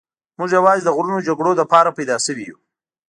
موږ یوازې د غرونو جګړو لپاره پیدا شوي یو.